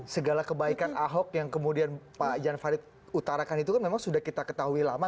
segala kebaikan ahok yang kemudian pak jan farid utarakan itu kan memang sudah kita ketahui lama